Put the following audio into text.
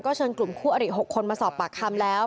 เชิญกลุ่มคู่อริ๖คนมาสอบปากคำแล้ว